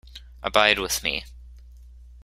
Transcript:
Abide with me.